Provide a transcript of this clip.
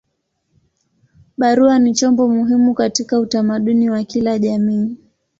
Barua ni chombo muhimu katika utamaduni wa kila jamii.